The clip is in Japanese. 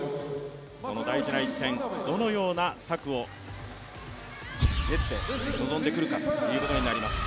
その大事な一戦どのような策を練って臨んでくるかということになります。